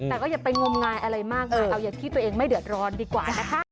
เอาอย่างที่ตัวเองไม่เดือดร้อนดีกว่านะคะ